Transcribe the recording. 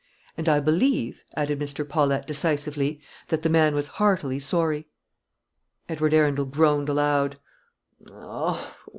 And I believe," added Mr. Paulette, decisively, "that the man was heartily sorry." Edward Arundel groaned aloud.